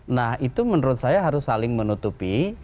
nah itu menurut saya harus saling menutupi